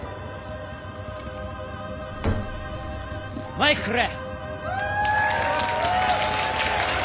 マイクくれ！